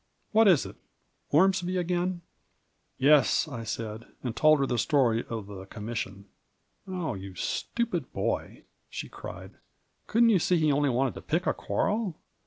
What is it ? Ormsby again ?"" Yes," I said, and told her the story of the commis sion. " Oh, you stupid boy 1 " she cried, " couldn't you see he only wanted to pick a quarrel